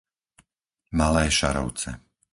Malé Šarovce